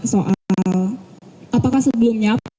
soal apakah sebelumnya